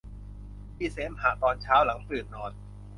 มีเสมหะตอนเช้าหลังตื่นนอน